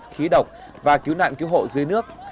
khí độc và cứu nạn cứu hộ dưới nước